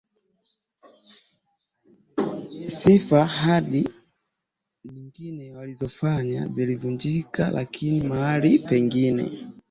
sifa Ahadi nyingi walizozifanya zilivunjika lakini mahali pengine